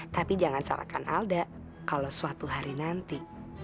tapi jangan salahkan alda kalau suatu hari nanti